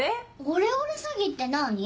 オレオレ詐欺ってなに？